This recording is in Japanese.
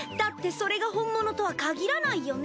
それが本物とはかぎらないよね？